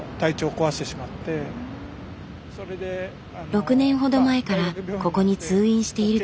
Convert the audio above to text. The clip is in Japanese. ６年ほど前からここに通院しているという男性。